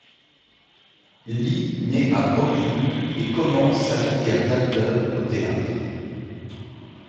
Lee naît à Brooklyn et commence sa carrière d'acteur au théâtre.